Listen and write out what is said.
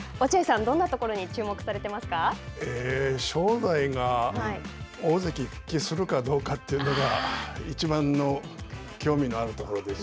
どんなところに注目され正代が大関復帰するかどうかというのがいちばんの興味のあるところです